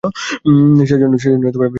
সেজন্যই আমি এখানে এসেছি।